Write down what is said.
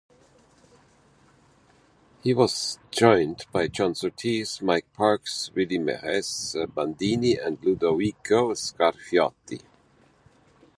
He was joined by John Surtees, Mike Parkes, Willy Mairesse, Bandini, and Ludovico Scarfiotti.